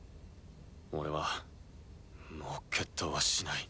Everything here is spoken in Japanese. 俺はもう決闘はしない。